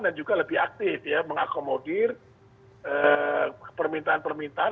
dan juga lebih aktif ya mengakomodir permintaan permintaan